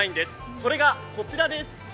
それがこちらです。